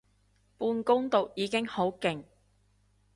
半工讀已經好勁